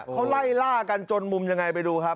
เขาไล่ล่ากันจนมุมยังไงไปดูครับ